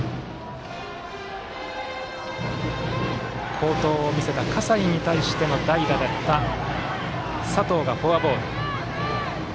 好投を見せた葛西に対しての代打だった佐藤がフォアボール。